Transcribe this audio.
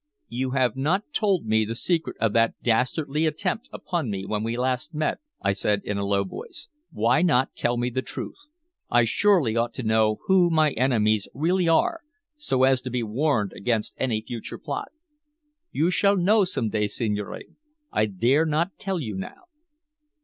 "You have not told me the secret of that dastardly attempt upon me when we last met," I said in a low voice. "Why not tell me the truth? I surely ought to know who my enemies really are, so as to be warned against any future plot." "You shall know some day, signore. I dare not tell you now."